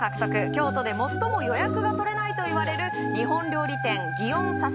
京都で最も予約が取れないといわれる日本料理店園さゝ